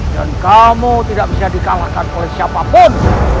dan kamu tidak bisa dikalahkan oleh siapapun